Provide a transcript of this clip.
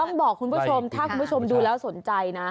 ต้องบอกคุณผู้ชมถ้าคุณผู้ชมดูแล้วสนใจนะ